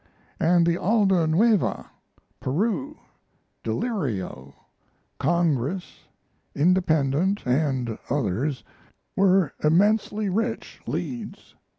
And the "Alda Nueva," "Peru," "Delirio," "Congress," "Independent," and others were immensely rich leads.